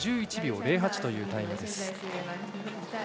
５１秒０８というタイム。